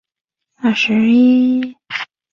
伪粉蝶属是粉蝶科袖粉蝶亚科里的一个属。